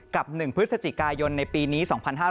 กับ๑พฤศจิกายนในปีนี้๒๕๖๕